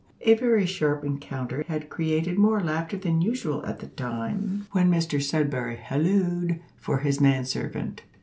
A very sharp encounter had created more laughter than usual at the time when Mr Sudberry halloed for his man servant.